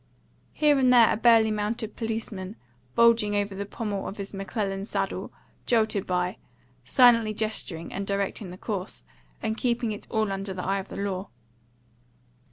Here and there a burly mounted policeman, bulging over the pommel of his M'Clellan saddle, jolted by, silently gesturing and directing the course, and keeping it all under the eye of the law.